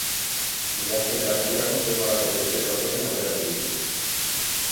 Udazken eta negurako zer-nolako berokiak datozen aurreratu digu.